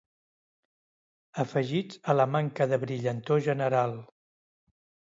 Afegits a la manca de brillantor general.